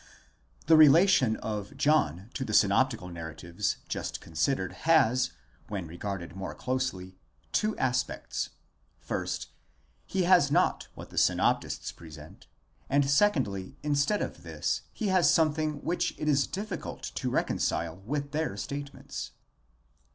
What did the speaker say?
The relation of John to the synoptical narratives just considered has, when regarded more closely, two aspects: first, he has not what the synoptists pre sent ; and secondly, instead of this he has something which it is difficult to reconcile with their statements.